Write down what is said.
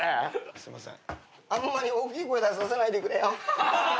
すいません。